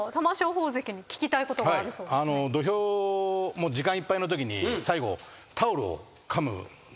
土俵時間いっぱいのときに最後。